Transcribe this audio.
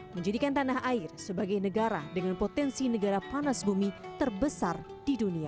menjadikan tanah air sebagai negara dengan potensi negara panas bumi terbesar di dunia